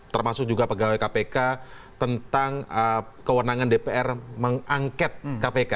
termasuk juga pegawai kpk tentang kewenangan dpr mengangket kpk